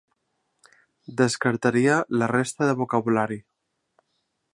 Descartaria la resta del vocabulari.